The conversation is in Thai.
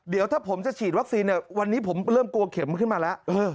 เดี๋ยวถ้าผมจะฉีดวัคซีนเนี่ยวันนี้ผมเริ่มกลัวเข็มขึ้นมาแล้ว